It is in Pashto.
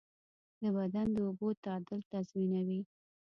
د بدن د اوبو تعادل تنظیموي.